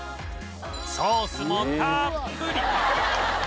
ソースもたっぷり！